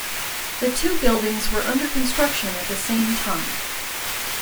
The two buildings were under construction at the same time.